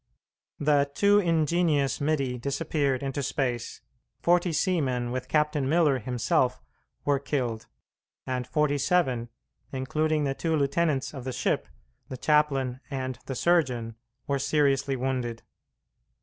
The too ingenious middy disappeared into space; forty seamen, with Captain Miller himself, were killed; and forty seven, including the two lieutenants of the ship, the chaplain, and the surgeon, were seriously wounded.